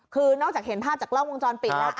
คือนอกจากเห็นภาพจากกล้องวงจรปิดแล้ว